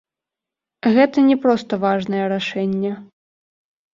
Гэта не проста важнае рашэнне.